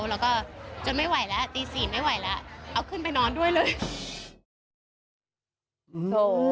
แล้วก็จนไม่ไหวแล้วตี๔ไม่ไหวแล้วเอาขึ้นไปนอนด้วยเลย